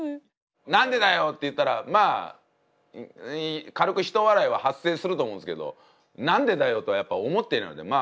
「何でだよ！」って言ったらまあ軽くひと笑いは発生すると思うんですけど「何でだよ」とはやっぱ思ってないのでまあ